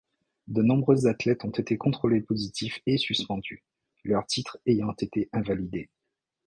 De nombreux athlètes ont été contrôlés positifs et suspendus, leurs titres ayant été invalidés.